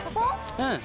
うん。